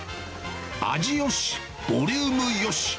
味よし、ボリュームよし。